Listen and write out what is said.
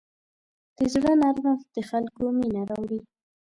د زړه نرمښت د خلکو مینه راوړي.